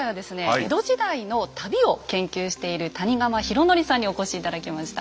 江戸時代の旅を研究している谷釜尋徳さんにお越し頂きました。